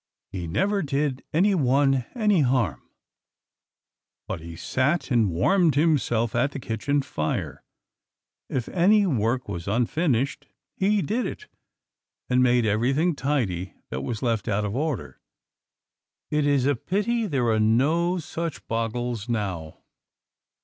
He never did anyone any harm, but he sat and warmed himself at the kitchen fire. If any work was unfinished he did it, and made everything tidy that was left out of order. It is a pity there are no such bogles now!